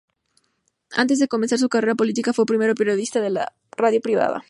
Antes de comenzar su carrera política, fue primero periodista en una radio privada.